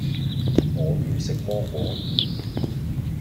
我要食芒果